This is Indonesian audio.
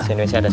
di indonesia ada